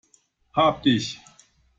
Hab dich!